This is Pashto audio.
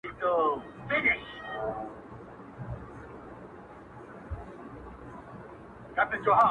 له نوم ســــره دي خدايه يو ســـــــــړی راته يادېږي